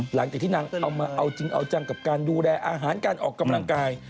หลังจากที่นางเอามาเอาจริงเอาจังกับการดูแลอาหารการออกกำลังกาย